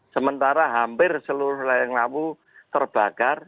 sementara hampir seluruh layang lawu terbakar